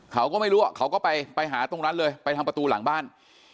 เขาก็ไม่รู้เขาก็ไปหาตรงนั้นเลยไปทางประตูหลังบ้าน